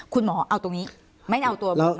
คุณหมอเอาตรงนี้ไม่ให้เอาตัวบ่นนะ